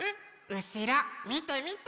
うしろみてみて！